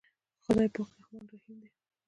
خداے پاک رحمان رحيم دے۔